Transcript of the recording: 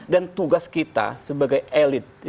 dan tugas kita sebagai elit